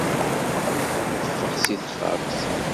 Ffeɣ si texxamt.